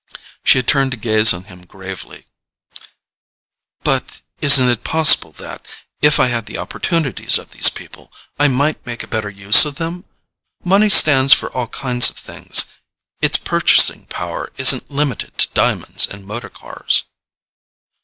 She had turned to gaze on him gravely. "But isn't it possible that, if I had the opportunities of these people, I might make a better use of them? Money stands for all kinds of things—its purchasing quality isn't limited to diamonds and motor cars."